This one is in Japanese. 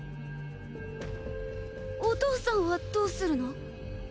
お父さんはどうするの？